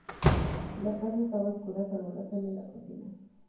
La casa estaba a oscuras salvo la sala y la cocina.